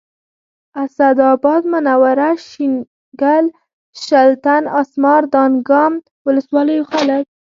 اسداباد منوره شیګل شلتن اسمار دانګام ولسوالیو خلک